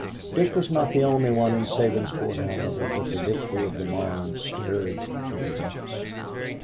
Dick was not the only one in Sabinsport, however, that the victory of the Marne stirred to the depths.